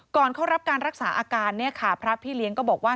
เข้ารับการรักษาอาการเนี่ยค่ะพระพี่เลี้ยงก็บอกว่า